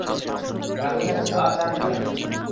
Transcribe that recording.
গাঙু চাঁদ ছিলো আর চাঁদই থাকবে।